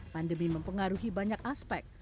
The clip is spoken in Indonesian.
pandemi mempengaruhi banyak aspek